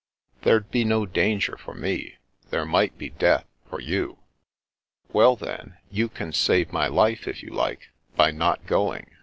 " There'd be no danger for me. There might be death for you." " Well, then, you can save my life if you like, by not going.